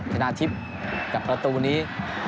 ชนะทิพย์กับประตูนี้